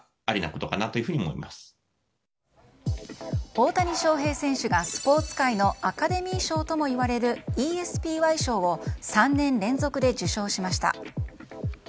大谷翔平選手がスポーツ界のアカデミー賞ともいわれるＥＳＰＹ賞を３年連続で受賞しました。